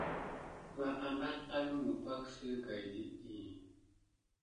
Va apat ó lumu pak si agaye aka det ɗiy.